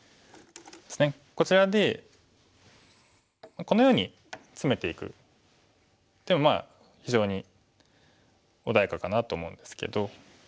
こちらでこのようにツメていく手もまあ非常に穏やかかなと思うんですけど。